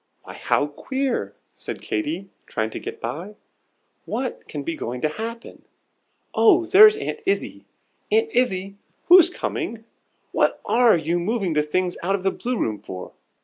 "Why, how queer!" said Katy, trying to get by. "What can be going to happen? Oh, there's Aunt Izzie! Aunt Izzie, who's coming? What are you moving the things out of the Blue room for?"